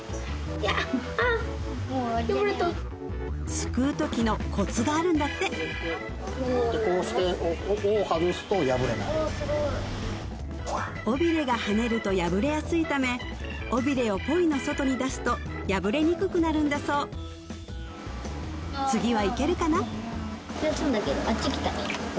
すくうときのコツがあるんだって尾びれがはねると破れやすいため尾びれをポイの外に出すと破れにくくなるんだそう次はいけるかな？